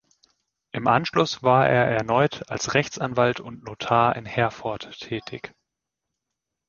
Im Anschluss war er erneut als Rechtsanwalt und Notar in Herford tätig.